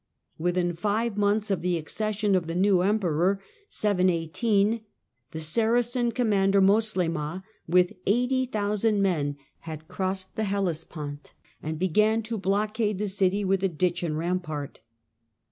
Within five months of the accession of the new Emperor, the Saracen commander Moslemah, with eighty thousand men, had crossed the Hellespont and begun to block ade the city with a ditch and rampart.